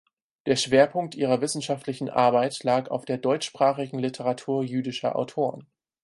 Der Schwerpunkt ihrer wissenschaftlichen Arbeit lag auf der deutschsprachigen Literatur jüdischer Autoren.